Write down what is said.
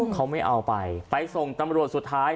เขาไม่เอาไปไปส่งตำรวจสุดท้าย